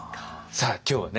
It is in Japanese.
さあ今日はね